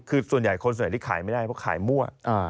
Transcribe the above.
คือส่วนใหญ่คนส่วนใหญ่ที่ขายไม่ได้เพราะขายมั่ว